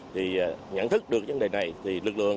thì nhận thức được vấn đề này thì lực lượng